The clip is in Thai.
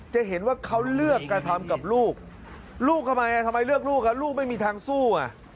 จะเห็นว่าเขาเลือกการทำกับลูกลูกทำไมลูกไม่มีทางสู้